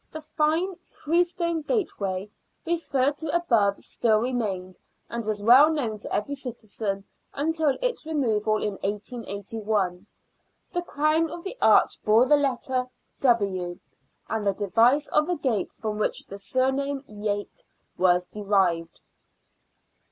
The fine " freestone gate way " referred to above still remained, and was well known to every citizen until its removal in 1881. The crown of the arch bore the letter " W " and the device of a gate, from which the surname Yate was derived.